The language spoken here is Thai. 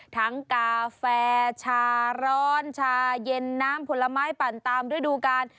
กาแฟชาร้อนชาเย็นน้ำผลไม้ปั่นตามฤดูกาล